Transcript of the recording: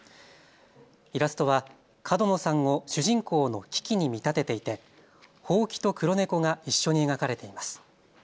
イラストは角野さんを主人公のキキに見立てていてほうきと黒猫が一緒に描かれています。